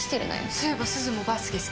そういえばすずもバスケ好きだよね？